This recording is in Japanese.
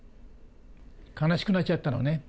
悲しくなっちゃったのね。